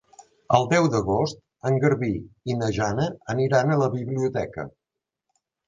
El deu d'agost en Garbí i na Jana aniran a la biblioteca.